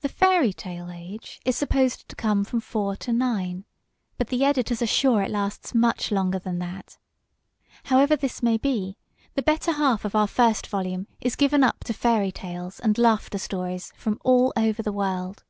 The fairy tale age is supposed to come from four to nine, but the editors are sure it lasts much longer than that. However this may be, the better half of our first volume is given up to FAIRY TALES AND LAUGHTER STORIES from all over the world.